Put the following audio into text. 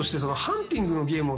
ハンティングのゲーム？